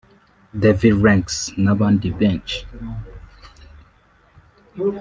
Davy Ranks n’abandi benshi